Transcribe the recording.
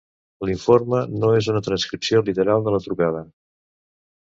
L'informe no és una transcripció literal de la trucada.